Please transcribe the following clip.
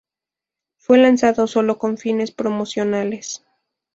Fue lanzado sólo con fines promocionales.